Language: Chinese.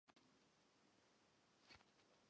回家时经过菜市场